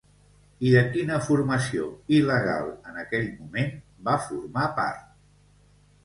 I de quina formació, il·legal en aquell moment, va formar part?